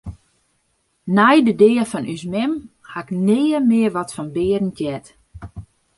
Nei de dea fan ús mem haw ik nea mear wat fan Berend heard.